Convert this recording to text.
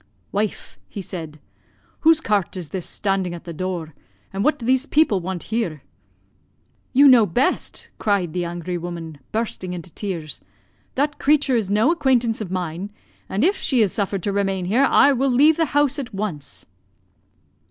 "'Wife,' he said, 'whose cart is this standing at the door, and what do these people want here?' "'You know best,' cried the angry woman, bursting into tears; 'that creature is no acquaintance of mine, and if she is suffered to remain here, I will leave the house at once.'